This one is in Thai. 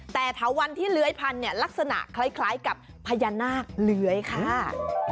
แต่เถาวันที่เลื้อยพันธุ์เนี่ยลักษณะคล้ายกับพญานาคเลื้อยค่ะ